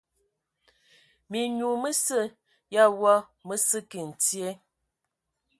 Minyu məsə ya wɔ mə səki ntye.